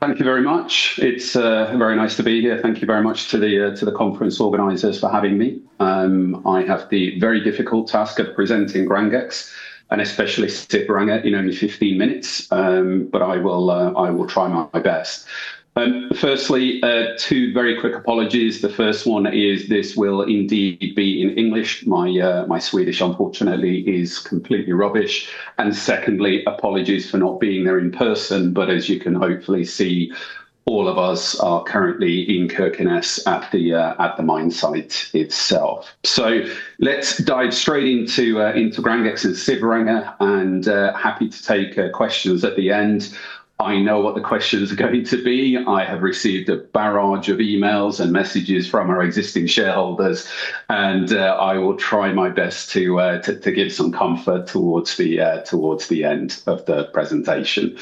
Thank you very much. It's very nice to be here. Thank you very much to the conference organizers for having me. I have the very difficult task of presenting Grangex and especially Sydvaranger in only 15 minutes, but I will try my best. Firstly, two very quick apologies. The first one is this will indeed be in English. My Swedish, unfortunately, is completely rubbish. Secondly, apologies for not being there in person, but as you can hopefully see, all of us are currently in Kirkenes at the mine site itself. Let's dive straight into Grangex and Sydvaranger and happy to take questions at the end. I know what the questions are going to be. I have received a barrage of emails and messages from our existing shareholders, and I will try my best to give some comfort towards the end of the presentation.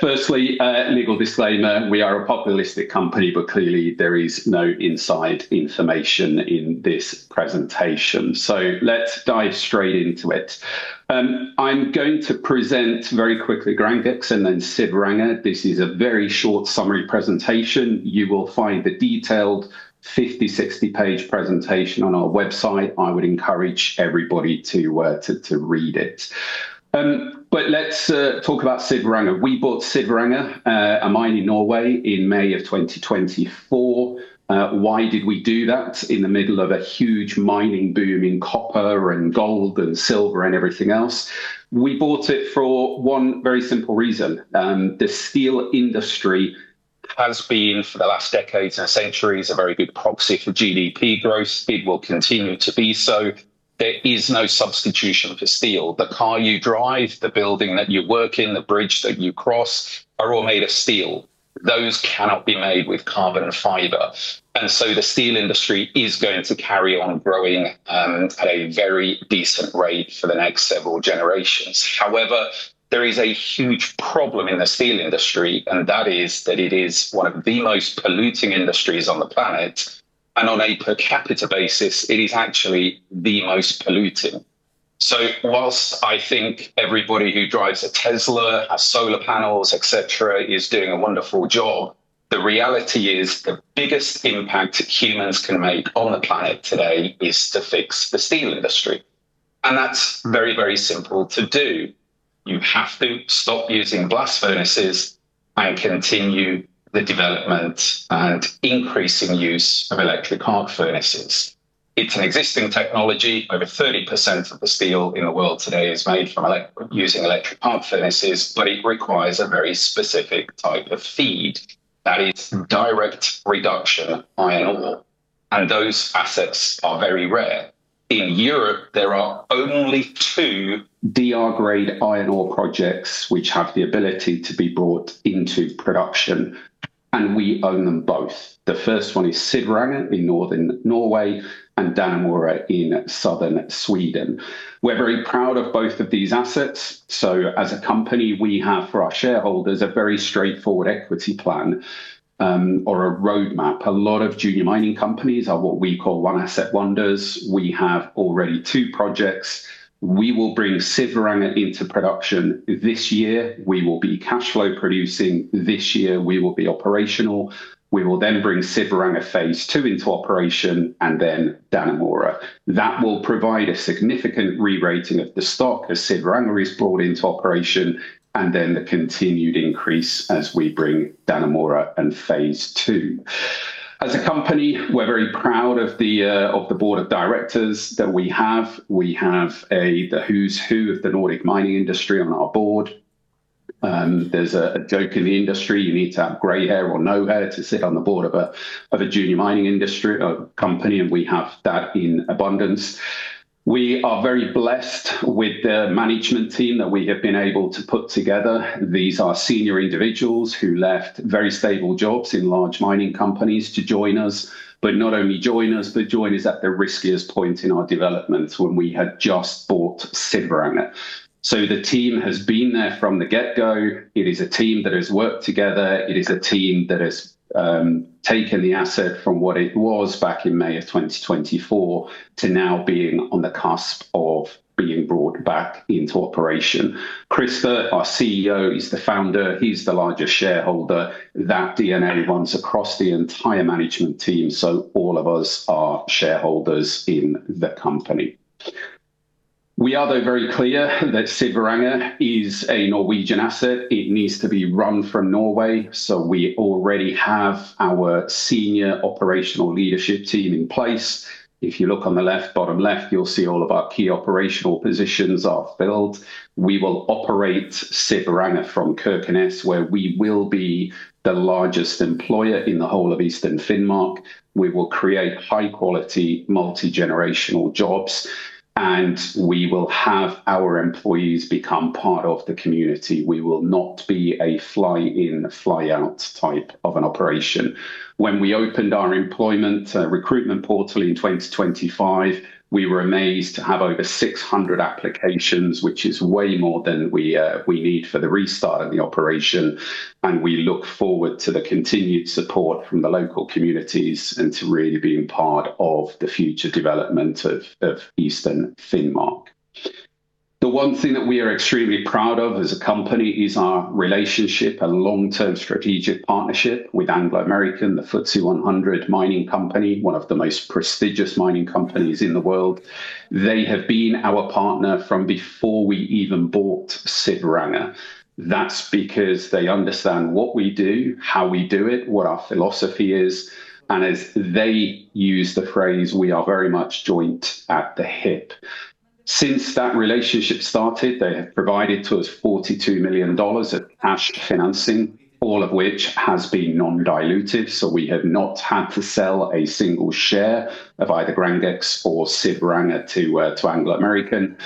First, legal disclaimer, we are a public listed company, but clearly there is no inside information in this presentation. Let's dive straight into it. I'm going to present very quickly Grangex and then Sydvaranger. This is a very short summary presentation. You will find the detailed 50-60-page presentation on our website. I would encourage everybody to read it. Let's talk about Sydvaranger. We bought Sydvaranger, a mine in Norway in May 2024. Why did we do that in the middle of a huge mining boom in copper and gold and silver and everything else? We bought it for one very simple reason. The steel industry has been, for the last decades and centuries, a very good proxy for GDP growth. It will continue to be so. There is no substitution for steel. The car you drive, the building that you work in, the bridge that you cross are all made of steel. Those cannot be made with carbon and fiber. The steel industry is going to carry on growing, at a very decent rate for the next several generations. However, there is a huge problem in the steel industry, and that is that it is one of the most polluting industries on the planet, and on a per capita basis, it is actually the most polluting. While I think everybody who drives a Tesla, has solar panels, et cetera, is doing a wonderful job, the reality is the biggest impact humans can make on the planet today is to fix the steel industry. That's very, very simple to do. You have to stop using blast furnaces and continue the development and increasing use of electric arc furnaces. It's an existing technology. Over 30% of the steel in the world today is made using electric arc furnaces, but it requires a very specific type of feed. That is direct reduction iron ore, and those assets are very rare. In Europe, there are only two DR grade iron ore projects which have the ability to be brought into production, and we own them both. The first one is Sydvaranger in northern Norway and Dannemora in southern Sweden. We're very proud of both of these assets. As a company, we have for our shareholders a very straightforward equity plan, or a roadmap. A lot of junior mining companies are what we call one asset wonders. We have already two projects. We will bring Sydvaranger into production this year. We will be cash flow producing this year. We will be operational. We will then bring Sydvaranger phase two into operation and then Dannemora. That will provide a significant rerating of the stock as Sydvaranger is brought into operation and then the continued increase as we bring Dannemora and phase two. As a company, we're very proud of the board of directors that we have. We have the who's who of the Nordic mining industry on our board. There's a joke in the industry. You need to have gray hair or no hair to sit on the board of a junior mining company, and we have that in abundance. We are very blessed with the management team that we have been able to put together. These are senior individuals who left very stable jobs in large mining companies to join us, but not only join us, but join us at the riskiest point in our development when we had just bought Sydvaranger. The team has been there from the get-go. It is a team that has worked together. It is a team that has taken the asset from what it was back in May of 2024 to now being on the cusp of being brought back into operation. Christer, our CEO, he's the founder. He's the largest shareholder. That D&A runs across the entire management team, so all of us are shareholders in the company. We are, though, very clear that Sydvaranger is a Norwegian asset. It needs to be run from Norway, so we already have our senior operational leadership team in place. If you look on the left, bottom left, you'll see all of our key operational positions are filled. We will operate Sydvaranger from Kirkenes, where we will be the largest employer in the whole of Eastern Finnmark. We will create high-quality, multi-generational jobs, and we will have our employees become part of the community. We will not be a fly in, fly out type of an operation. When we opened our employment recruitment portal in 2025, we were amazed to have over 600 applications, which is way more than we need for the restart of the operation, and we look forward to the continued support from the local communities and to really being part of the future development of Eastern Finnmark. The one thing that we are extremely proud of as a company is our relationship and long-term strategic partnership with Anglo American, the FTSE 100 mining company, one of the most prestigious mining companies in the world. They have been our partner from before we even bought Sydvaranger. That's because they understand what we do, how we do it, what our philosophy is, and as they use the phrase, we are very much joint at the hip. Since that relationship started, they have provided to us $42 million of cash financing, all of which has been non-dilutive, so we have not had to sell a single share of either Grangex or Sydvaranger to Anglo American.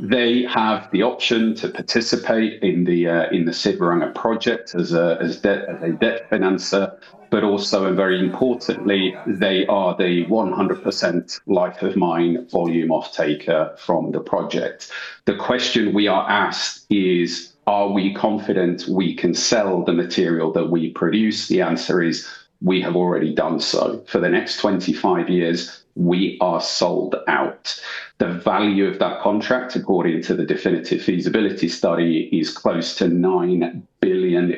They have the option to participate in the Sydvaranger project as a debt financer, but also, and very importantly, they are the 100% life of mine volume off-taker from the project. The question we are asked is. Are we confident we can sell the material that we produce? The answer is we have already done so. For the next 25 years, we are sold out. The value of that contract, according to the definitive feasibility study, is close to $9 billion,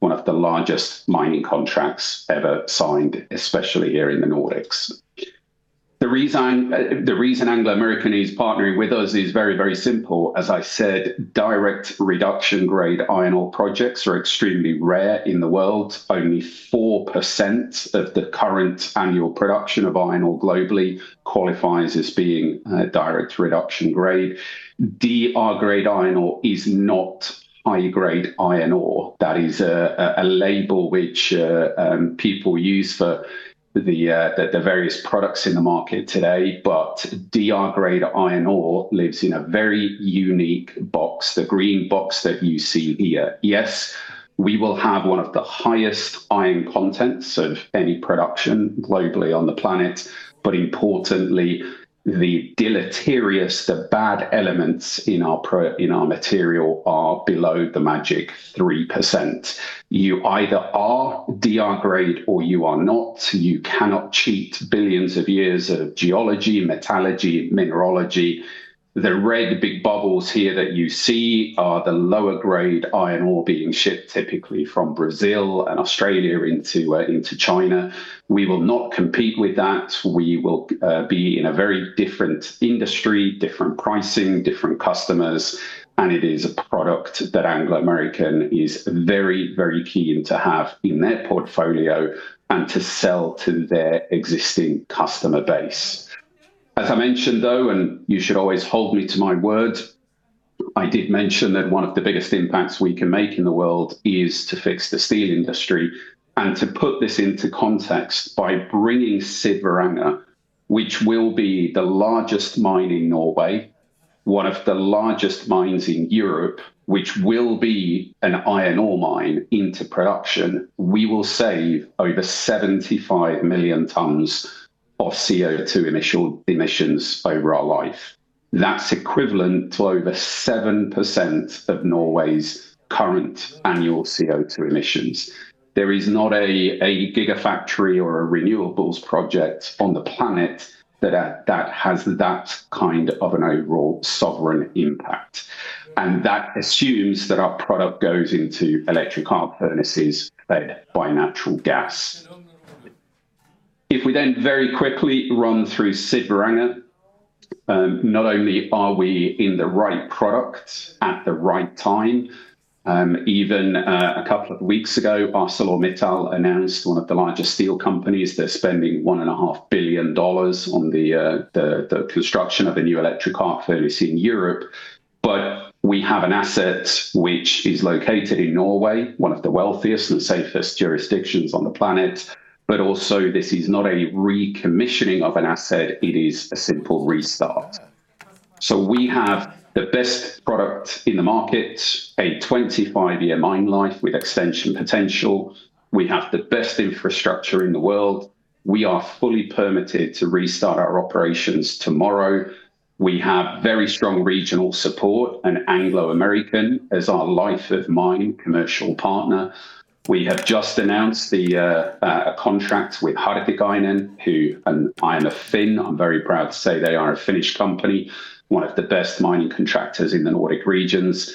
one of the largest mining contracts ever signed, especially here in the Nordics. The reason Anglo American is partnering with us is very, very simple. As I said, direct reduction grade iron ore projects are extremely rare in the world. Only 4% of the current annual production of iron ore globally qualifies as being direct reduction grade. DR grade iron ore is not high grade iron ore. That is a label which people use for the various products in the market today, but DR grade iron ore lives in a very unique box, the green box that you see here. Yes, we will have one of the highest iron contents of any production globally on the planet, but importantly, the deleterious, bad elements in our material are below the magic 3%. You either are DR grade or you are not. You cannot cheat billions of years of geology, metallurgy, mineralogy. The red big bubbles here that you see are the lower grade iron ore being shipped typically from Brazil and Australia into China. We will not compete with that. We will be in a very different industry, different pricing, different customers, and it is a product that Anglo American is very, very keen to have in their portfolio and to sell to their existing customer base. As I mentioned, though, and you should always hold me to my word, I did mention that one of the biggest impacts we can make in the world is to fix the steel industry. To put this into context, by bringing Sydvaranger, which will be the largest mine in Norway, one of the largest mines in Europe, which will be an iron ore mine into production, we will save over 75 million tons of CO2 initial emissions over our life. That's equivalent to over 7% of Norway's current annual CO2 emissions. There is not a gigafactory or a renewables project on the planet that has that kind of an overall sovereign impact. That assumes that our product goes into electric arc furnaces fed by natural gas. If we then very quickly run through Sydvaranger, not only are we in the right product at the right time, even a couple of weeks ago, ArcelorMittal announced, one of the largest steel companies, they're spending $1.5 billion on the construction of a new electric arc furnace in Europe. We have an asset which is located in Norway, one of the wealthiest and safest jurisdictions on the planet. This is not a recommissioning of an asset, it is a simple restart. We have the best product in the market, a 25-year mine life with extension potential. We have the best infrastructure in the world. We are fully permitted to restart our operations tomorrow. We have very strong regional support and Anglo American as our life of mine commercial partner. We have just announced a contract with Hartikainen. I am a Finn. I'm very proud to say they are a Finnish company, one of the best mining contractors in the Nordic regions.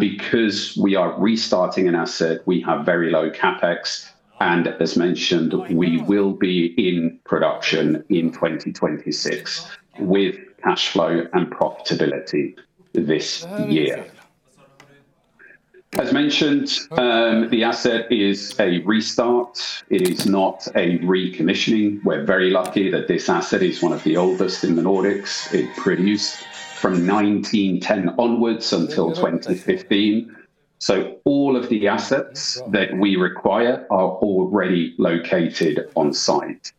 Because we are restarting an asset, we have very low CapEx, and as mentioned, we will be in production in 2026 with cash flow and profitability this year. As mentioned, the asset is a restart. It is not a recommissioning. We're very lucky that this asset is one of the oldest in the Nordics. It produced from 1910 onwards until 2015. All of the assets that we require are already located on-site.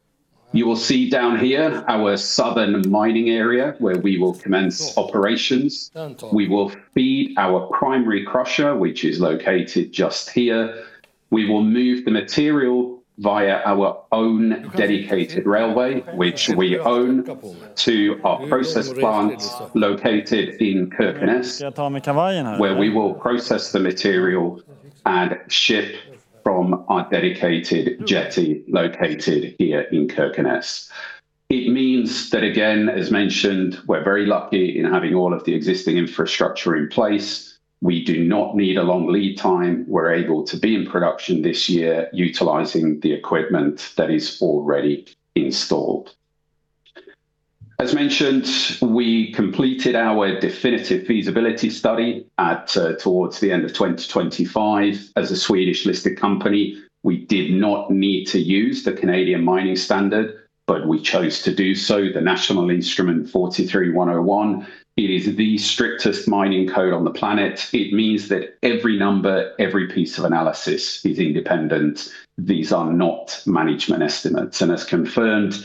You will see down here our southern mining area where we will commence operations. We will feed our primary crusher, which is located just here. We will move the material via our own dedicated railway, which we own to our process plant located in Kirkenes, where we will process the material and ship from our dedicated jetty located here in Kirkenes. It means that, again, as mentioned, we're very lucky in having all of the existing infrastructure in place. We do not need a long lead time. We're able to be in production this year utilizing the equipment that is already installed. As mentioned, we completed our Definitive Feasibility Study at, towards the end of 2025. As a Swedish-listed company, we did not need to use the Canadian mining standard, but we chose to do so. The National Instrument 43-101 is the strictest mining code on the planet. It means that every number, every piece of analysis is independent. These are not management estimates. As confirmed,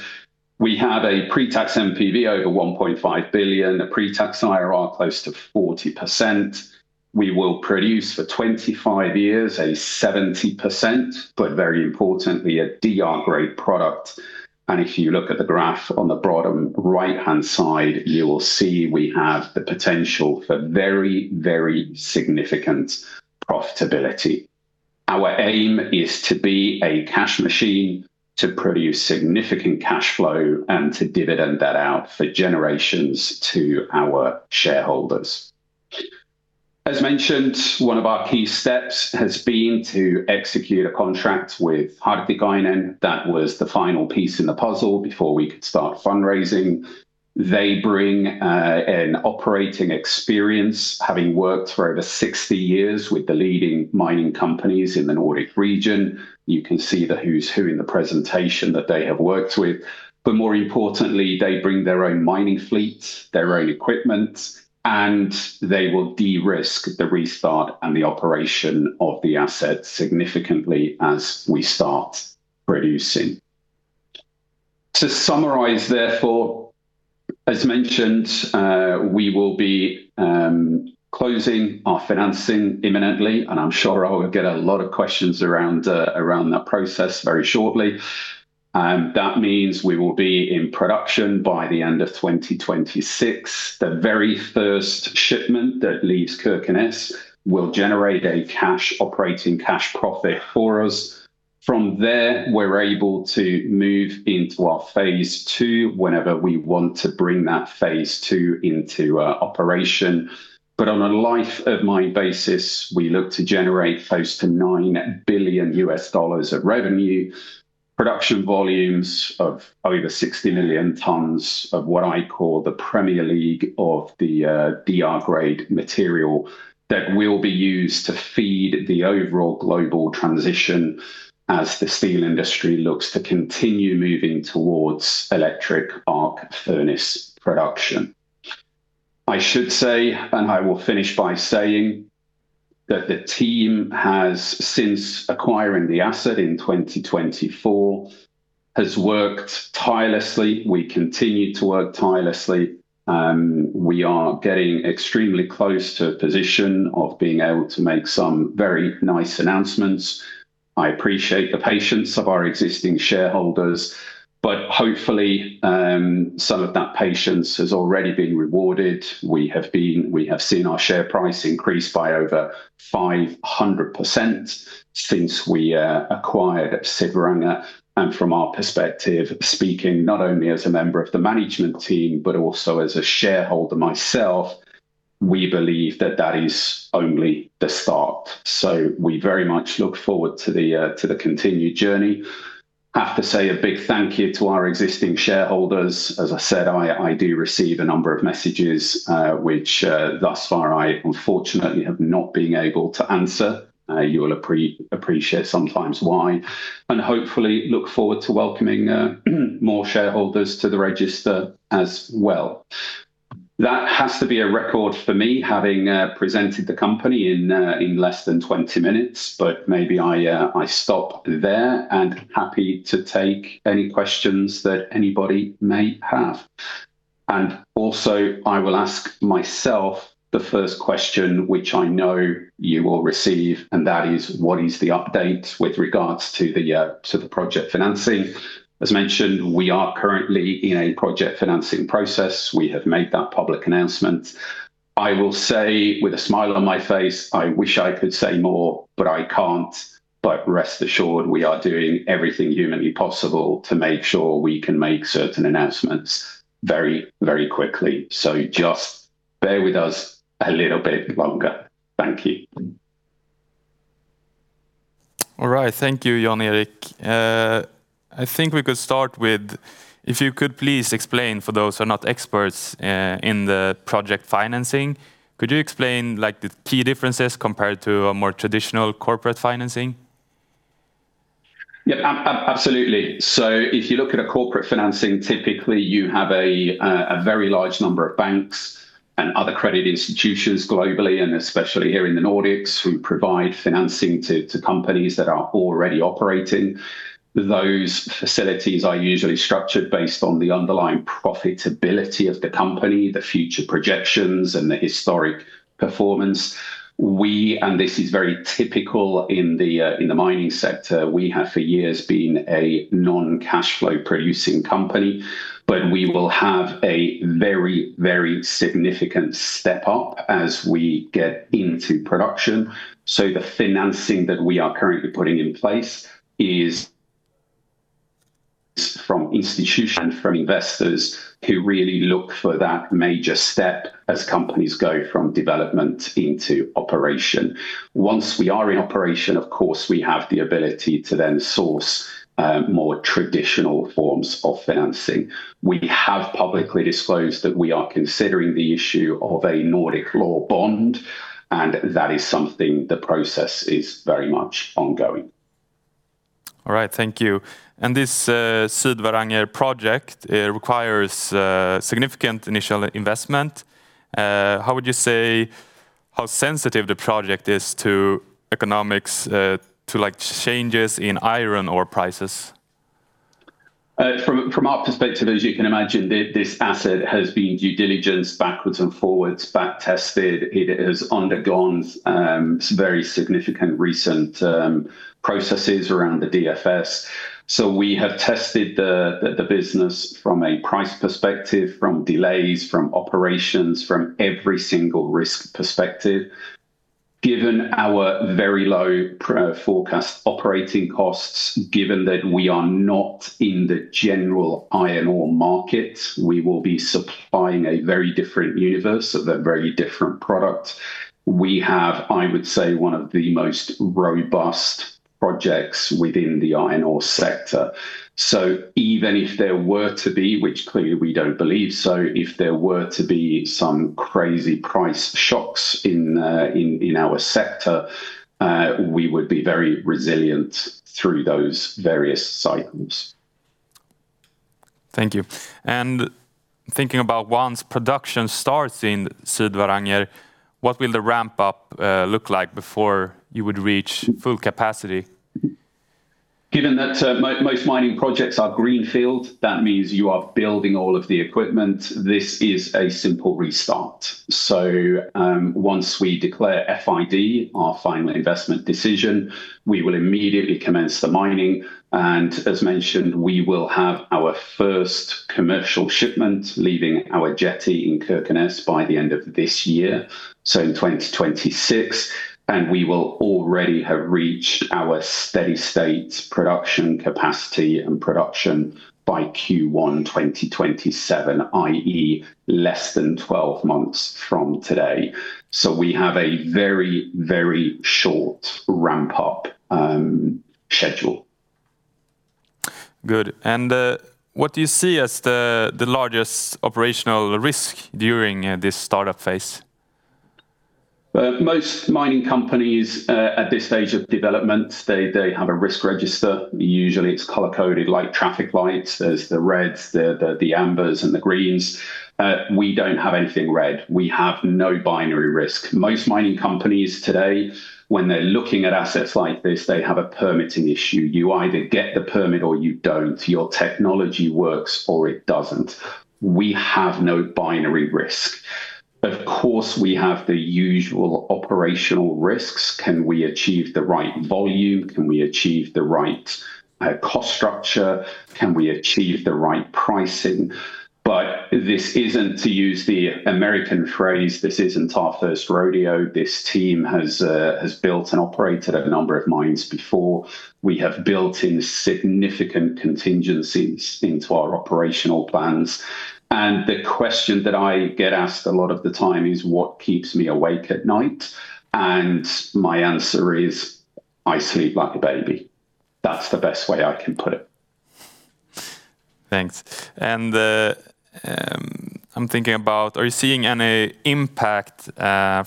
we have a pre-tax NPV over 1.5 billion, a pre-tax IRR close to 40%. We will produce for 25 years a 70%, but very importantly, a DR grade product. If you look at the graph on the bottom right-hand side, you will see we have the potential for very, very significant profitability. Our aim is to be a cash machine, to produce significant cash flow, and to dividend that out for generations to our shareholders. As mentioned, one of our key steps has been to execute a contract with E. Hartikainen Oy. That was the final piece in the puzzle before we could start fundraising. They bring an operating experience having worked for over 60 years with the leading mining companies in the Nordic region. You can see the who's who in the presentation that they have worked with. More importantly, they bring their own mining fleet, their own equipment, and they will de-risk the restart and the operation of the asset significantly as we start producing. To summarize, therefore, as mentioned, we will be closing our financing imminently, and I'm sure I will get a lot of questions around that process very shortly. That means we will be in production by the end of 2026. The very first shipment that leaves Kirkenes will generate an operating cash profit for us. From there, we're able to move into our phase two whenever we want to bring that phase two into operation. On a life of mine basis, we look to generate close to $9 billion of revenue, production volumes of over 60 million tons of what I call the Premier League of the DR grade material that will be used to feed the overall global transition as the steel industry looks to continue moving towards electric arc furnace production. I should say, and I will finish by saying, that the team has, since acquiring the asset in 2024, worked tirelessly. We continue to work tirelessly. We are getting extremely close to a position of being able to make some very nice announcements. I appreciate the patience of our existing shareholders, but hopefully, some of that patience has already been rewarded. We have seen our share price increase by over 500% since we acquired Sydvaranger. From our perspective, speaking not only as a member of the management team, but also as a shareholder myself, we believe that is only the start. We very much look forward to the continued journey. I have to say a big thank you to our existing shareholders. As I said, I do receive a number of messages, which thus far I unfortunately have not been able to answer. You will appreciate sometimes why, and hopefully look forward to welcoming more shareholders to the register as well. That has to be a record for me having presented the company in less than 20 minutes, but maybe I stop there and happy to take any questions that anybody may have. Also, I will ask myself the first question, which I know you will receive, and that is, what is the update with regards to the to the project financing? As mentioned, we are currently in a project financing process. We have made that public announcement. I will say with a smile on my face, I wish I could say more, but I can't. Rest assured, we are doing everything humanly possible to make sure we can make certain announcements very, very quickly. Just bear with us a little bit longer. Thank you. All right. Thank you, Jan-Erik. I think we could start with if you could please explain for those who are not experts, in the project financing, could you explain, like, the key differences compared to a more traditional corporate financing? Yeah. Absolutely. If you look at corporate financing, typically you have a very large number of banks and other credit institutions globally, and especially here in the Nordics who provide financing to companies that are already operating. Those facilities are usually structured based on the underlying profitability of the company, the future projections, and the historic performance. This is very typical in the mining sector. We have for years been a non-cash flow producing company, but we will have a very, very significant step up as we get into production. The financing that we are currently putting in place is from institutions, from investors who really look for that major step as companies go from development into operation. Once we are in operation, of course, we have the ability to then source more traditional forms of financing. We have publicly disclosed that we are considering the issue of a Nordic law bond, and that is something the process is very much ongoing. All right, thank you. This Sydvaranger project, it requires significant initial investment. How would you say how sensitive the project is to economics, to, like, changes in iron ore prices? From our perspective, as you can imagine, this asset has been due diligence backwards and forwards, back tested. It has undergone some very significant recent processes around the DFS. We have tested the business from a price perspective, from delays, from operations, from every single risk perspective. Given our very low forecast operating costs, given that we are not in the general iron ore market, we will be supplying a very different universe of a very different product. We have, I would say, one of the most robust projects within the iron ore sector. Even if there were to be, which clearly we don't believe so, if there were to be some crazy price shocks in our sector, we would be very resilient through those various cycles. Thank you. Thinking about once production starts in Sydvaranger, what will the ramp up look like before you would reach full capacity? Given that most mining projects are greenfield, that means you are building all of the equipment, this is a simple restart. Once we declare FID, our final investment decision, we will immediately commence the mining. As mentioned, we will have our first commercial shipment leaving our jetty in Kirkenes by the end of this year, so in 2026, and we will already have reached our steady state production capacity and production by Q1 2027, i.e., less than 12 months from today. We have a very, very short ramp up schedule. Good. What do you see as the largest operational risk during this startup phase? Most mining companies at this stage of development, they have a risk register. Usually, it's color-coded like traffic lights. There's the reds, the ambers, and the greens. We don't have anything red. We have no binary risk. Most mining companies today, when they're looking at assets like this, they have a permitting issue. You either get the permit or you don't. Your technology works or it doesn't. We have no binary risk. Of course, we have the usual operational risks. Can we achieve the right volume? Can we achieve the right cost structure? Can we achieve the right pricing? But this isn't, to use the American phrase, this isn't our first rodeo. This team has built and operated a number of mines before. We have built in significant contingencies into our operational plans. The question that I get asked a lot of the time is what keeps me awake at night. My answer is, I sleep like a baby. That's the best way I can put it. Thanks. I'm thinking about, are you seeing any impact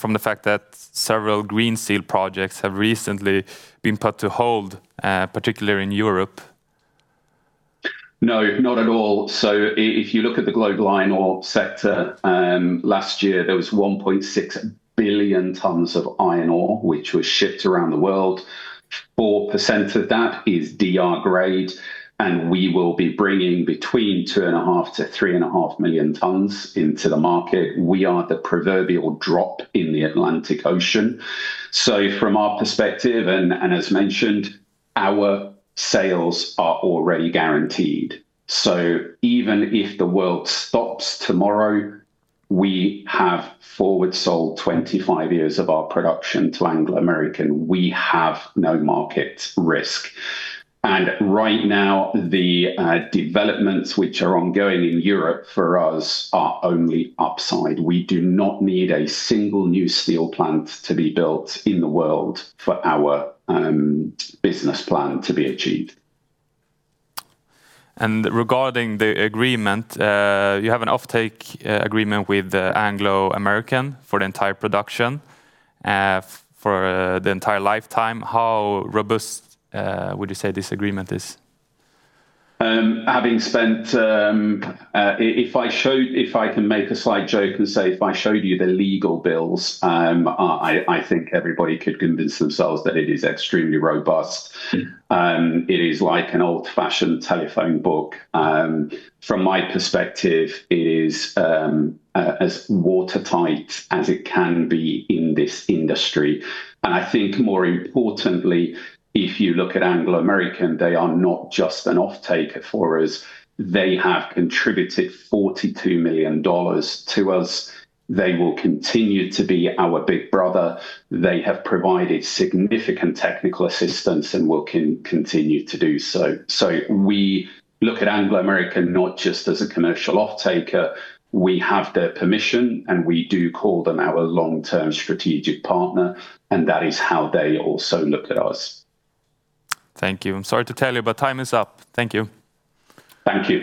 from the fact that several green steel projects have recently been put on hold, particularly in Europe? No, not at all. If you look at the global iron ore sector, last year, there was 1.6 billion tons of iron ore, which was shipped arouand the world. 4% of that is DR grade, and we will be bringing between 2.5-3.5 million tons into the market. We are the proverbial drop in the Atlantic Ocean. From our perspective and, as mentioned, our sales are already guaranteed. Even if the world stops tomorrow, we have forward sold 25 years of our production to Anglo American. We have no market risk. Right now, the developments which are ongoing in Europe for us are only upside. We do not need a single new steel plant to be built in the world for our business plan to be achieved. Regarding the agreement, you have an offtake agreement with Anglo American for the entire production for the entire lifetime. How robust would you say this agreement is? Having spent, if I can make a slight joke and say if I showed you the legal bills, I think everybody could convince themselves that it is extremely robust. It is like an old-fashioned telephone book. From my perspective, it is as watertight as it can be in this industry. I think more importantly, if you look at Anglo American, they are not just an offtaker for us. They have contributed $42 million to us. They will continue to be our big brother. They have provided significant technical assistance and will continue to do so. We look at Anglo American not just as a commercial offtaker. We have their permission, and we do call them our long-term strategic partner, and that is how they also look at us. Thank you. I'm sorry to tell you, but time is up. Thank you. Thank you.